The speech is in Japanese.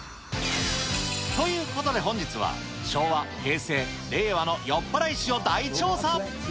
ということで本日は、昭和、平成、令和の酔っぱらい史を大調査。